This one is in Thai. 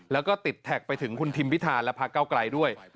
แล้วก็ติดแท็กไปถึงคุณทีมพิทธารภาคเก้าไกลด้วย